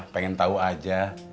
pengen tau aja